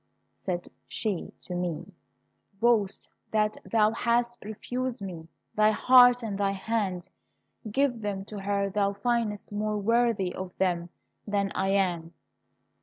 said she to me; "boast that thou hast refused me thy heart and thy hand. Give them to her thou findest more worthy of them than I am."